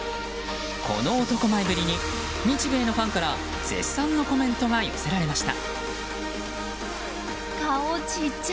この男前ぶりに日米のファンから絶賛のコメントが寄せられました。